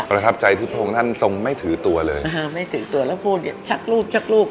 ประทับใจที่พระองค์ท่านทรงไม่ถือตัวเลยอ่าไม่ถือตัวแล้วพูดเนี่ยชักรูปชักลูก